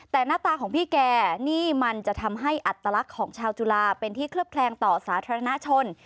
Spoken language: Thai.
แต่หน้าตาของพี่แกนี่มันจะทำให้อัตลักษณ์ของชาวจุฬาเป็นที่เคลือบแคลงต่อสาธารณชน